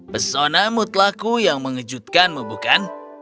persona mutlaku yang mengejutkanmu bukan